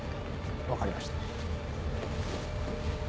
分かりました。